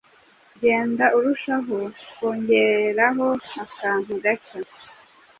Genda urushaho kongeraho akantu gashya